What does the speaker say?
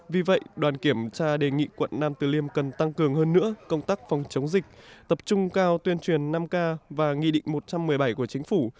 vì vậy đoàn kiểm tra đề nghị quận nam từ liêm cần tăng cường hơn nữa công tác phòng chống dịch tập trung cao tuyên truyền năm k và nghị định một trăm một mươi bảy của chính phủ